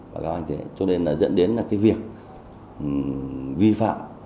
báo cáo anh thấy cho nên là dẫn đến cái việc vi phạm